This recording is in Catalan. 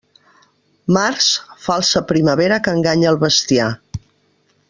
Març, falsa primavera que enganya al bestiar.